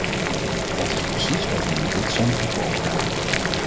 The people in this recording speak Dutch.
Dat is precies wat we met dit centrum voor ogen hebben.